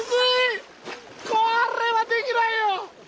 これはできないよ！